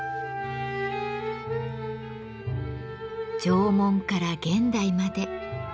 縄文から現代まで。